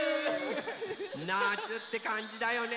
なつ！ってかんじだよね。